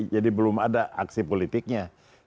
jadi belum ada aksi politiknya